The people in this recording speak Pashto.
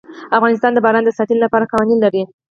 افغانستان د باران د ساتنې لپاره قوانین لري.